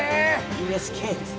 ＵＳＫです。